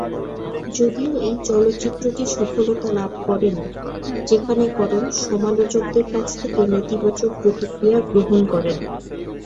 যদিও এই চলচ্চিত্রটি সফলতা লাভ করেনি, যেখানে করণ সমালোচকদের কাছ থেকে নেতিবাচক প্রতিক্রিয়া গ্রহণ করেন।